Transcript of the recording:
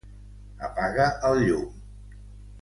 apaga el llum